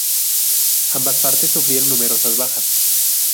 Ambas partes sufrieron numerosas bajas.